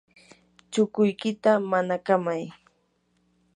chukuykita manakamay.